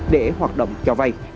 để hoạt động cho vay